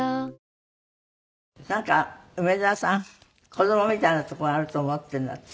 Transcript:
子供みたいなとこがあると思っているんだって？